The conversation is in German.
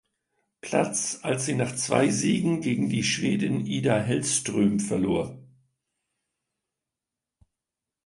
Platz, als sie nach zwei Siegen gegen die Schwedin Ida Hellström verlor.